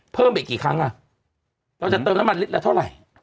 เพิ่มไปกี่ครั้งอ่ะเราจะเติมน้ำมันลิตรละเท่าไหร่